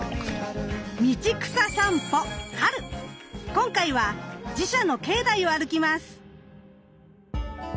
今回は寺社の境内を歩きます。